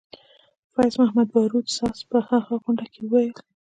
فیض محمدباروت ساز په هغه غونډه کې وویل.